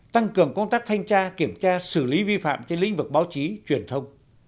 tăng cường công tác thanh tra kiểm tra xử lý vi phạm trên lĩnh vực báo chí truyền thông